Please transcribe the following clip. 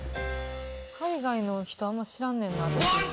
海外の人あんま知らんねん私。